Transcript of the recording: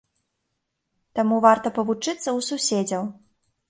Таму варта павучыцца ў суседзяў.